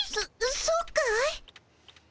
そそうかい？